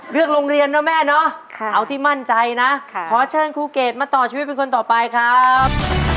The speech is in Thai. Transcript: โรงเรียนนะแม่เนาะเอาที่มั่นใจนะขอเชิญครูเกดมาต่อชีวิตเป็นคนต่อไปครับ